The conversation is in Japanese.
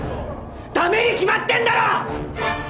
駄目に決まってんだろ！！